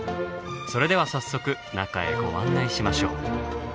それでは早速中へご案内しましょう。